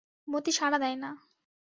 মতি সাড়া দেয় না!